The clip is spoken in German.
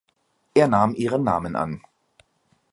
Er nahm ihren Namen an.